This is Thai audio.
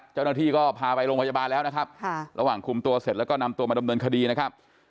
เจ้าหน้าที่ก็พาไปโรงพยาบาลแล้วนะครับระหว่างคุมตัวเสร็จแล้วก็นำตัวมาดำเนินคดีนะครับ